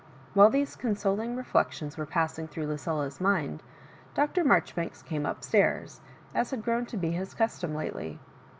While these consoling reflec tions were passing through Lucilla's mind. Dr. Marjoribanks came up stairs, as had grown to be his custom lately.